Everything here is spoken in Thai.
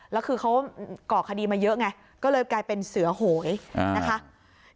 แล้วคือเขาก่อคดีมาเยอะไงก็เลยกลายเป็นเสือโหยนะคะ